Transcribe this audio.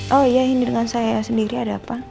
oh iya ini dengan saya sendiri ada apa